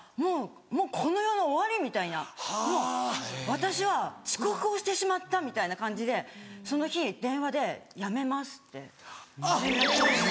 「私は遅刻をしてしまった」みたいな感じでその日電話で「辞めます」って連絡をして。